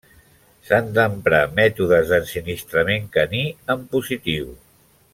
S'han d'emprar mètodes d'ensinistrament caní en positiu.